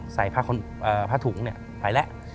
ใส่ผ้าถุงไปแล้ว